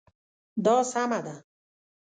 دا سمه ده